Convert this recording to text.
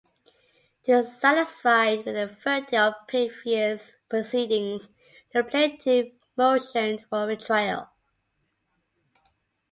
Dissatisfied with the verdict of previous proceedings, the plaintiff motioned for a retrial.